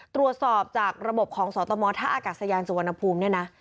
ตรวจสอบจากระบบของสตมท่าอากาศยานสุวรรณภูมิเนี่ยนะ